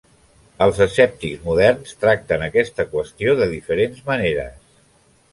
Els escèptics moderns tracten aquesta qüestió de diferents maneres.